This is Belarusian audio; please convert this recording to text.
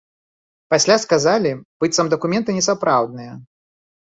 Пасля сказалі, быццам дакументы несапраўдныя.